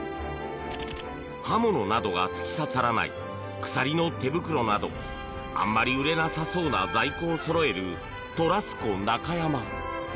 刃物などが突き刺さらない鎖の手袋などあんまり売れなさそうな在庫をそろえるトラスコ中山。